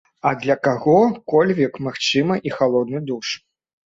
А для каго-кольвек, магчыма, і халодны душ.